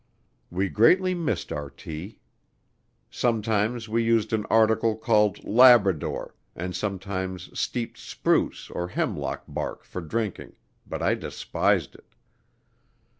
We greatly missed our tea. Sometimes we used an article called Labrador, and sometimes steeped spruce or hemlock bark for drinking, but I despised it.